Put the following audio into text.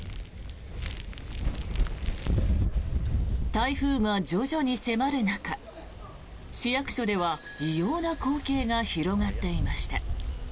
台風が徐々に迫る中市役所では異様な光景が広がっていました。